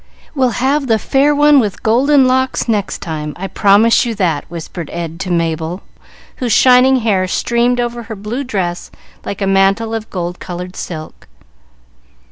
"We'll have 'The Fair One with Golden Locks' next time; I promise you that," whispered Ed to Mabel, whose shining hair streamed over her blue dress like a mantle of gold colored silk.